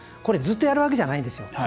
これ、ずっとやるわけじゃないんですよ。